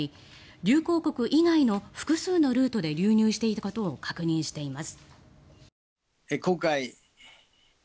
流行国以外の複数のルートで流入していたことを確認しています。